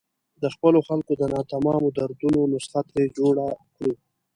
د خپلو خلکو د ناتمامو دردونو نسخه ترې جوړه کړو.